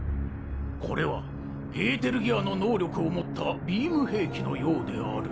これはエーテルギアの能力を持ったビーム兵器のようである。